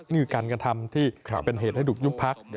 นี่คือการกระทำที่เป็นเหตุให้ถูกยุบพัก